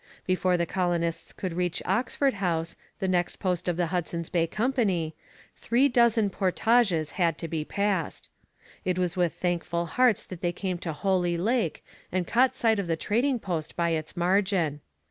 Before the colonists could reach Oxford House, the next post of the Hudson's Bay Company, three dozen portages had to be passed. It was with thankful hearts that they came to Holy Lake and caught sight of the trading post by its margin.